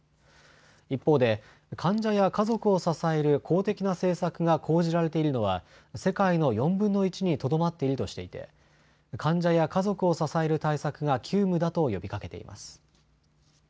一方で患者や家族を支える公的な政策が講じられているのは世界の４分の１にとどまっているとしていて患者や家族を支える対策が急務だと呼びかけています。